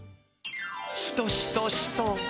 しとしとしと。